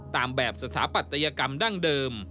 ตามแบบสถาปัตยกรรมดั้งเดิม